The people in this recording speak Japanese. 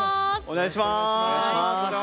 お願いします。